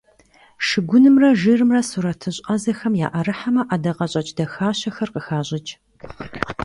Шыгунымрэ жырымрэ сурэтыщӀ Ӏэзэхэм яӀэрыхьэмэ, ӀэдакъэщӀэкӀ дахащэхэр къыхащӀыкӀ.